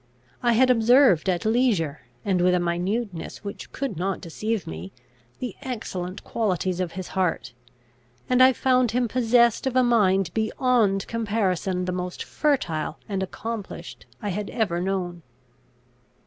I had observed at leisure, and with a minuteness which could not deceive me, the excellent qualities of his heart; and I found him possessed of a mind beyond comparison the most fertile and accomplished I had ever known.